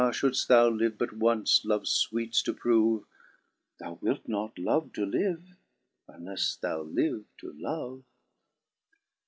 fhouldft thou live but once loves fweetes to proove. Thou wilt not love to live, unleffe thou live to love.